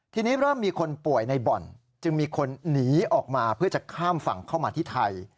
ทีนี้เริ่มมีคนป่วยในบ่อนจึงมีคนหนีออกมาเพื่อจะข้ามฝั่งเข้ามาที่ไทย